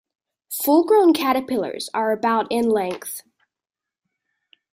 Full grown caterpillars are about in length.